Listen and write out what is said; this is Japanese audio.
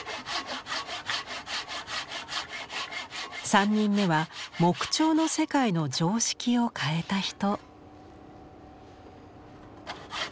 ３人目は木彫の世界の常識を変えた人。